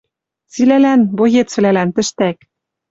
Цилӓлӓн, боецвлӓлӓн, тӹштӓк.